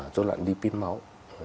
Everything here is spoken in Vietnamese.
rối loạn lipid máu